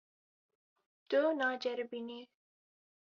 Tu naceribînî.